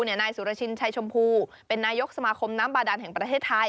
นายสุรชินชัยชมพูเป็นนายกสมาคมน้ำบาดานแห่งประเทศไทย